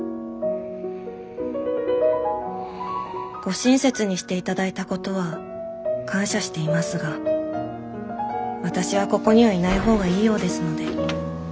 「ご親切にしていただいたことは感謝していますが私はここにはいない方がいいようですので。